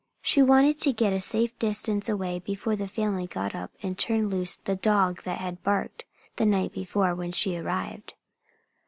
She wanted to get a safe distance away before the family got up and turned loose the dog that had barked the night before, when she arrived.